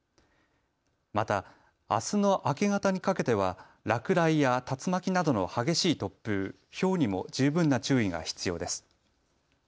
また、あすの明け方にかけては落雷や竜巻などの激しい突風ひょうにも十分な注意が必要です。